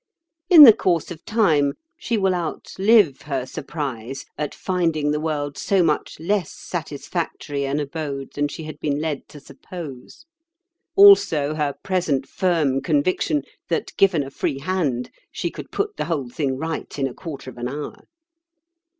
In the course of time she will outlive her surprise at finding the world so much less satisfactory an abode than she had been led to suppose—also her present firm conviction that, given a free hand, she could put the whole thing right in a quarter of an hour.